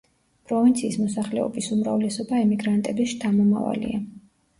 პროვინციის მოსახლეობის უმრავლესობა ემიგრანტების შთამომავალია.